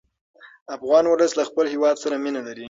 افغان ولس له خپل هېواد سره مینه لري.